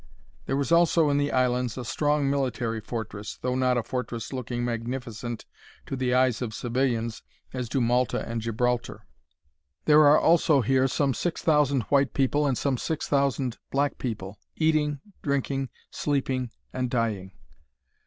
There is also in the islands a strong military fortress, though not a fortress looking magnificent to the eyes of civilians, as do Malta and Gibraltar. There are also here some six thousand white people and some six thousand black people, eating, drinking, sleeping, and dying.